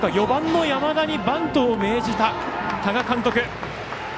４番の山田にバントを命じた多賀監督。